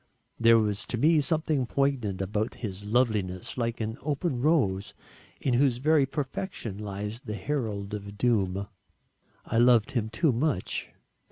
There was to me something poignant about his loveliness like an open rose in whose very perfection lies the herald of doom. I loved him too much.